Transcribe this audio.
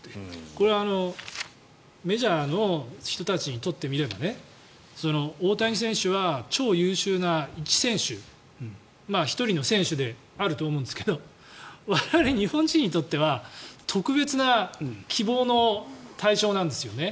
これメジャーの人たちにとってみれば大谷選手は超優秀ないち選手１人の選手であると思うんですが我々日本人にとっては特別な希望の対象なんですよね。